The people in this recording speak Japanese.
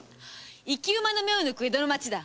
生き馬の目を抜く江戸の町だ。